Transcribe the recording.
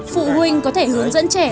phụ huynh có thể hướng dẫn trẻ